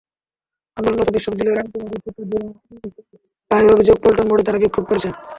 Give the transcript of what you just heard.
আন্দোলনরত বিশ্ববিদ্যালয়ের আইন বিভাগের শিক্ষার্থী অনিমেষ রায়ের অভিযোগ, পল্টন মোড়ে তাঁরা বিক্ষোভ করছেন।